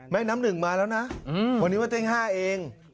น้ำหนึ่งมาแล้วนะวันนี้ว่าเจ๊ง๕เอง